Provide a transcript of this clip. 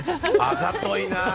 あざといなあ。